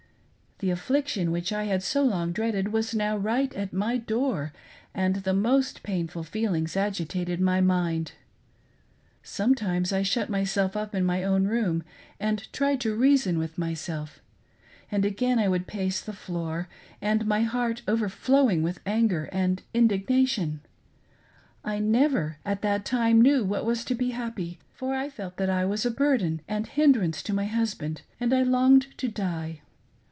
The affliction which I had so long dreaded was now right at my door, and the most painful feelings agitated my mind. Sometimes I shut myself up in my own room and tried to reason with myself ; then I would kneel, and pray, and weep with passionate emotion ; and again I would pace the floor, my heart overflowing with anger and indignation. I never, at that time, knew what it was to be happy, for I felt that I was a burden and hindrance to my husband and I longed to die.